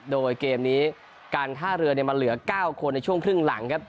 โดยเกมนี้การท่าเรือมาเหลือ๙คนในช่วงครึ่งหลังครับ